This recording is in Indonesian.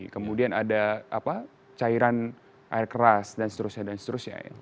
kemudian ada cairan air keras dan seterusnya